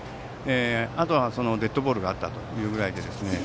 あとは、デッドボールがあったというぐらいで。